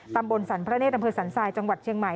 ตำบลสรรพระเนธอำเภอสันทรายจังหวัดเชียงใหม่